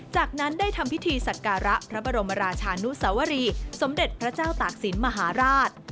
จากนั้นได้ทำพิธีสักการะพระบรมราชานุสวรีสมเด็จพระเจ้าตากศิลปมหาราช